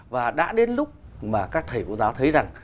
và đã đến lúc mà các thầy cô giáo thấy rằng